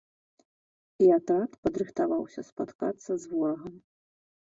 І атрад падрыхтаваўся спаткацца з ворагам.